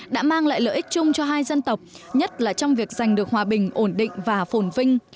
đã mang lại lợi ích chung cho hai dân tộc nhất là trong việc giành được hòa bình ổn định và phồn vinh